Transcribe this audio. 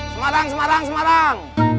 semarang semarang semarang